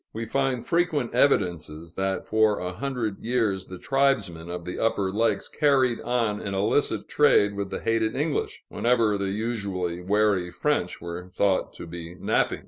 We find frequent evidences that for a hundred years the tribesmen of the Upper Lakes carried on an illicit trade with the hated English, whenever the usually wary French were thought to be napping.